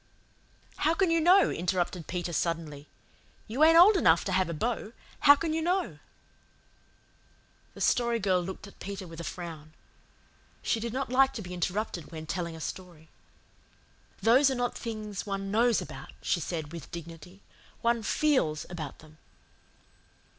"How can you know?" interrupted Peter suddenly. "You ain't old enough to have a beau. How can you know?" The Story Girl looked at Peter with a frown. She did not like to be interrupted when telling a story. "Those are not things one KNOWS about," she said with dignity. "One FEELS about them."